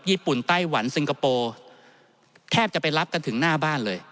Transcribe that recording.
ไต้หวันซิงคโปร์แทบจะไปรับกันถึงหน้าบ้านเลย